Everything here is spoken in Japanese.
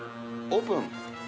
オープン。